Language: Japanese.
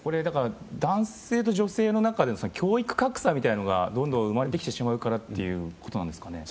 男性と女性の中で教育格差がどんどん生まれてきてしまうからということなんですかね。